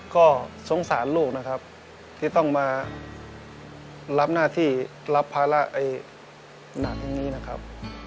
ก็สงสารลูกนะครับที่ต้องมารับหน้าที่รับภาระหนักอย่างนี้นะครับ